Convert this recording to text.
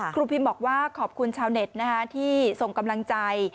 ครูพิมบอกว่าขอบคุณชาวเน็ตที่ส่งกำลังใจ